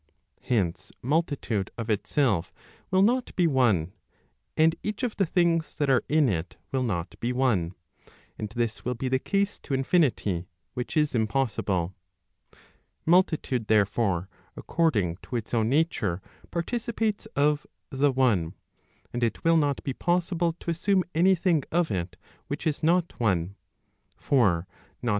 Hence, multitude of itself will not be one, and each of the things that are in it will not be one, and this will be the case to infinity, which is impossible. Multitude, there¬ fore, according to its own nature, participates of the one, and it will not be possible to assume any thing of it which is not one. For not.